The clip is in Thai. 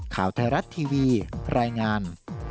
ข่าวไทยรัฐทีวีรายงาน